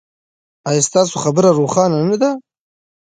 ایا ستاسو څیره روښانه نه ده؟